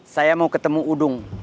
saya mau ketemu udung